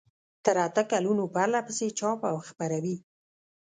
تر اته کلونو پرلپسې چاپ او خپروي.